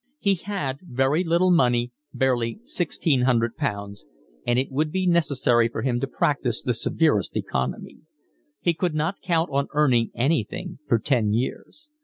He had very little money, barely sixteen hundred pounds, and it would be necessary for him to practise the severest economy. He could not count on earning anything for ten years.